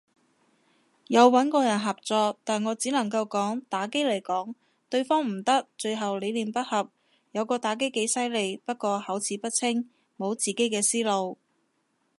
有穩過人合作，但我只能夠講打機來講，對方唔得，最後理念不合，有個打機几犀利，不過口齒不清，無自己嘅思路。